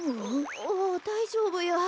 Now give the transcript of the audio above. おおだいじょうぶや。